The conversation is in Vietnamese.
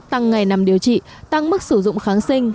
tăng ngày nằm điều trị tăng mức sử dụng kháng sinh